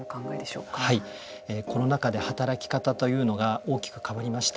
コロナ禍で働き方というのが大きく変わりました。